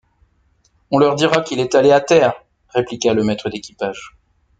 On leur dira qu’il est allé à terre, répliqua le maître d’équipage...